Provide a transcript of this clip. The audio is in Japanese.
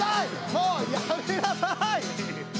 もうやめなさい！